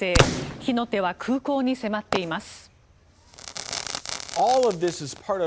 火の手は空港に迫っています。